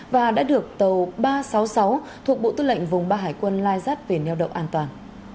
và đã được tàu ba trăm sáu mươi sáu thuộc bộ tư lệnh vùng ba hải quân lai dắt về neo đậu an toàn